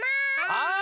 はい。